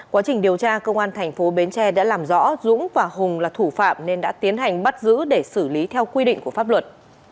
quá trình điều tra công an thành phố bến tre đã làm rõ dũng và hùng là thủ phạm nên đã tiến hành bắt giữ để xử lý theo quy định của pháp luật